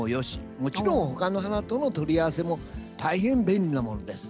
もちろん、ほかの花との取り合わせも大変便利なものです。